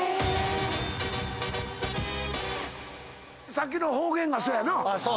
さっきの方言がそうやな。